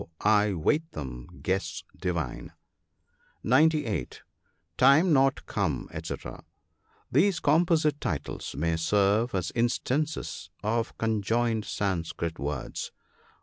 I wait them— guests divine." (98.) Time not come, &°c. — These composite titles may serve as instances of conjoined Sanskrit words.